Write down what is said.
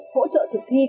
hỗ trợ thực thi